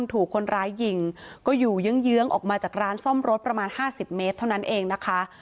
ถูกคนร้ายยิงก็อยู่เยื้องออกมาจากร้านซ่อมรถประมาณ๕๐เมตรเท่านั้นเองนะคะ